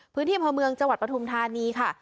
พื้นที่พระเมืองจังหวัดประธุมธานีค่ะ